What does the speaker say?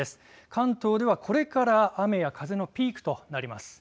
関東ではこれから雨や風のピークとなります。